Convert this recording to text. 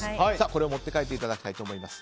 これを持って帰っていただきたいと思います。